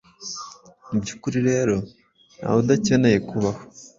Mu by’ukuri rero ntawudakeneye kubaho.